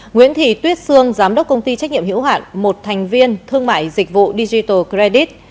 nguyễn thị tuyết sương giám đốc công ty trách nhiệm hữu hạn một thành viên thương mại dịch vụ digital credit